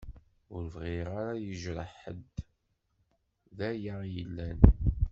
Ur bɣiɣ ara ad yejreḥ ḥedd, d aya i yellan.